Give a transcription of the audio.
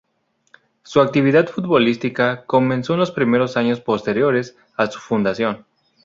Su actividad futbolística comenzó en los primeros años posteriores a su fundación.